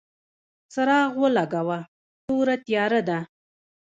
څراغ ولګوه ، توره تیاره ده !